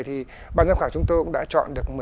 thì ban giám khảo chúng tôi cũng đã chọn được